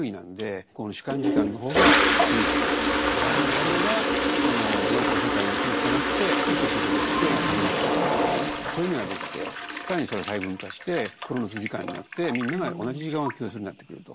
それがその農耕社会に行くに従っていつ収穫していつ種まくかというふうにね暦ができて更にそれを細分化してクロノス時間になってみんなが同じ時間を共有するようになってくると。